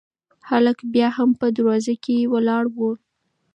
هلک بیا هم په دروازه کې ولاړ و.